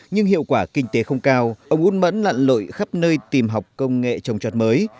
nhưng hiệu quả kinh tế không cao ông út mẫn lặn lội khắp nơi tìm học công nghệ trồng trọt mới